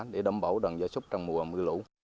để đảm bảo đàn gia súc trong mùa mưa lũ